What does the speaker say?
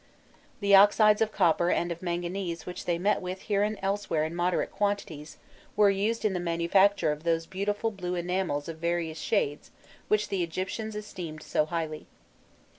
The oxides of copper and of manganese which they met with here and elsewhere in moderate quantities, were used in the manufacture of those beautiful blue enamels of various shades which the Egyptians esteemed so highly.